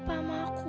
kena pas dulu